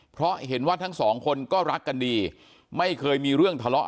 เพราะเห็นว่าทั้งสองคนก็รักกันดีไม่เคยมีเรื่องทะเลาะ